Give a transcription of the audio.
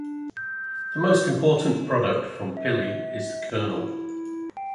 The most important product from pili is the kernel.